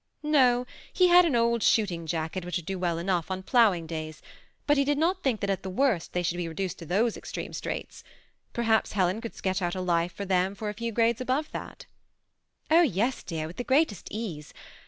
No, he had an old shooting jacket, which would do well enough on ploughing days ; but he did not think that at the worst they should be reduced to those ex treme straits. Perhaps Helen could sketch out a life for them a few grades above that " Oh yes, dear, with the greatest ease.